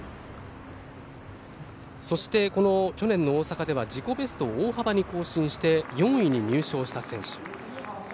そして、去年の大阪では自己ベストを大幅に更新して４位に入賞した選手。